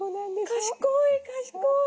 賢い賢い。